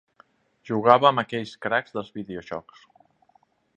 Jugava amb aquells cracs dels videojocs.